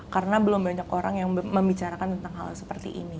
karena belum banyak orang yang membicarakan tentang hal seperti ini